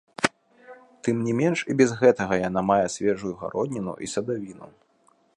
Тым не менш і без гэтага яна мае свежую гародніну і садавіну.